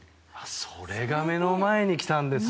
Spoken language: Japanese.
それが目の前にきたんですよ。